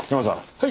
はい。